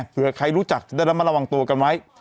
เพื่อใครรู้จักจะได้ระมัดระวังตัวกันไว้